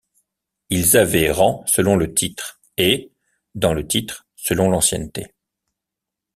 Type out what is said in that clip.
Ils avaient rang selon le titre, et, dans le titre, selon l’ancienneté.